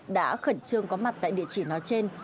đã khẩn trương có mặt tại địa chỉ nói trên